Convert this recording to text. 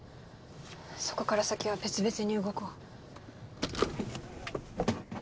そこから先は別々に動こう。